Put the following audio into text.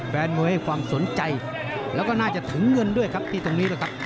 แฟนมวยให้ความสนใจแล้วก็น่าจะถึงเงินด้วยครับที่ตรงนี้นะครับ